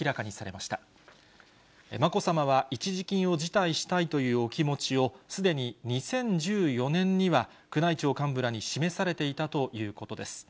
まこさまは一時金を辞退したいというお気持ちを、すでに２０１４年には宮内庁幹部らに示されていたということです。